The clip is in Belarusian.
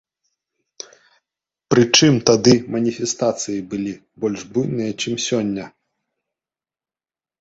Прычым тады маніфестацыі былі больш буйныя, чым сёння.